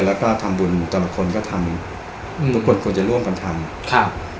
แล้วก็ทำบุญแต่ละคนก็ทำอืมทุกคนควรจะร่วมกันทำครับ